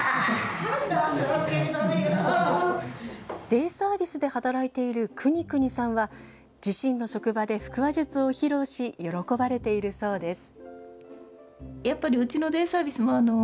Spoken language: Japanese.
デイサービスで働いているクニクニさんは自身の職場で腹話術を披露し喜ばれているそうです。